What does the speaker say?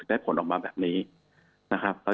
ผลออกมาแบบนี้นะครับ